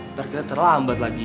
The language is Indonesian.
ntar kita terlambat lagi